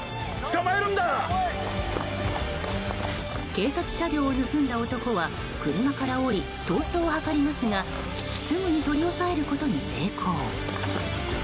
警察車両を盗んだ男は車から降り、逃走を図りますがすぐに取り押さえることに成功。